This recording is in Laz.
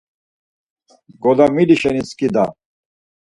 Golamili şeni skida.